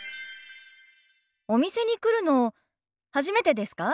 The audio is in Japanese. お店に来るの初めてですか？